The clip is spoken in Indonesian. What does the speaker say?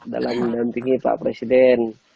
dalam mendampingi pak presiden